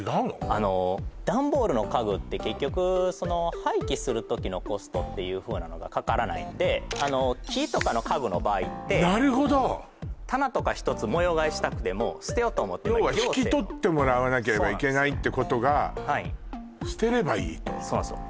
あのダンボールの家具って結局その廃棄する時のコストっていうふうなのがかからないんであの木とかの家具の場合ってなるほど棚とか一つ模様替えしたくても捨てようと思ったら行政の要は引き取ってもらわなければいけないってことが捨てればいいとそうなんですよ